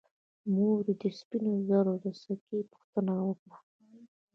مور یې د سپینو زرو د سکې پوښتنه وکړه.